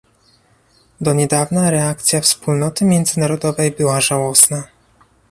Do niedawna reakcja wspólnoty międzynarodowej była żałosna